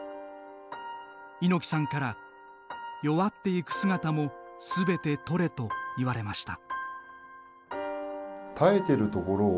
猪木さんから弱っていく姿もすべて撮れと言われました。